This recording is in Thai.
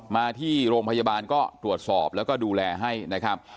มาที่โรงพยาบาลก็ตรวจสอบแล้วก็ดูแลให้นะครับ